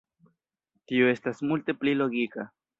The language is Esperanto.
Tio estas multe pli logika!